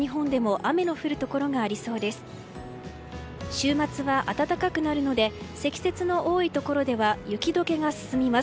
週末は暖かくなるので積雪が多いところでは雪解けが進みます。